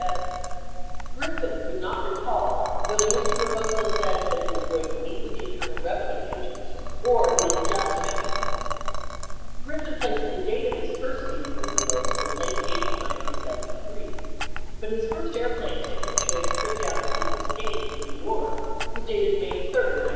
41 Griffin could not recall whether Mr. Rebozo said that he was going to meet with the Internal Revenue agents or he had just met with them. 42 Griffin placed the date of his first meeting with Rebozo in late April 1973, but his first airplane ticket showing a trip down to Key Biscayne f rom New York was dated May 3, 1973.